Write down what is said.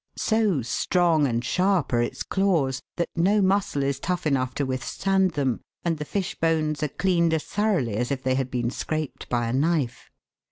So strong and sharp are its claws that no muscle is tough enough to withstand them, and the fish bones are cleaned as thoroughly as if they had been scraped by a knife.